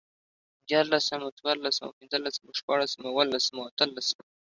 ديارلسمو، څوارلسمو، پنځلسمو، شپاړسمو، اوولسمو، اتلسمو